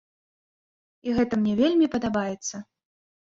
І гэта мне вельмі падабаецца.